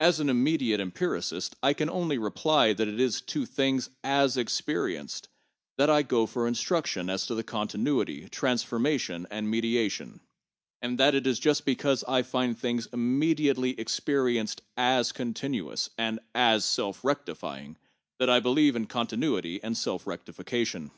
As an immediate empiricist, I can only reply that it is to things as experienced that I go for instruction as to continuity, transformation and mediation; and that it is just because I find things immediately experienced as continuous, and as self rectifying that I believe in continuity and self rectification.